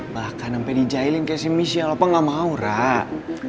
bahkan sampe dijahilin kayak si miss yalopa gak mau jahit